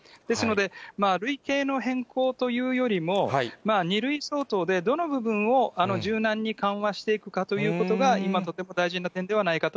ですので、類型の変更というよりも、２類相当でどの部分を柔軟に緩和していくかということが、今とてなるほど。